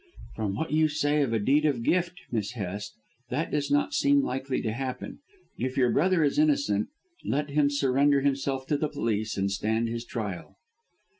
"From what you say of a Deed of Gift, Miss Hest, that does not seem likely to happen. If your brother is innocent let him surrender himself to the police and stand his trial."